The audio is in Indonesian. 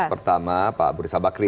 pertama pak abu riza bakri